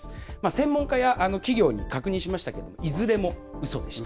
専門家や企業に確認しましたけど、いずれもうそでした。